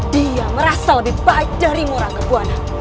dia merasa lebih baik darimu rangga buana